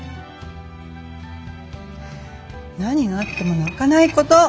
何があっても泣かないこと。